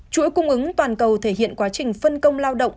chuỗi cung ứng toàn cầu thể hiện quá trình phân công lao động